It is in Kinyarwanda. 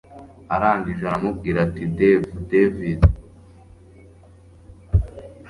arangije aramubwira ati davi…david